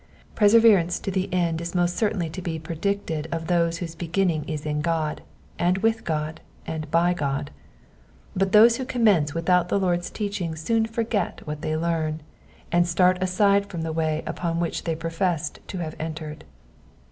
Perseverance to the end is most certainly to be predicted of those whose beginning is in God, and with God, and by God ; but those who commence without the Lord's teaching soon forget what they learn, and start aside from the way upon which they professed to have entered.